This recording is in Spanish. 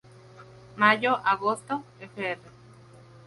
Mayo-agosto, fr.